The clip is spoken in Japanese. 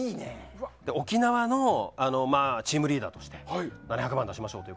沖縄のチームリーダーとして７００万出しましょうと。